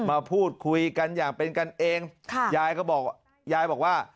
มาพูดคุยกันอย่างเป็นกันเองค่ะยายก็บอกยายบอกว่า